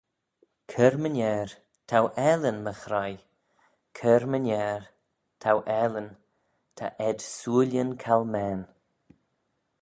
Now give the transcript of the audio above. "Cur-my-ner, t'ou aalin my ghraih; cur-my-ner t'ou aalin, ta ayd sooillyn calmane."